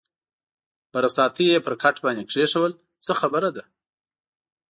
برساتۍ یې پر کټ باندې کېښوول، څه خبره ده؟